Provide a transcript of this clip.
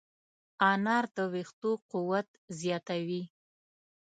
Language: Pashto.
انار د ویښتو قوت زیاتوي.